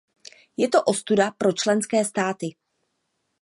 Je to ostuda pro členské státy.